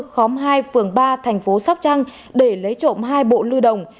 khóm hai phường ba tp sóc trăng để lấy trộm hai bộ lưu đồng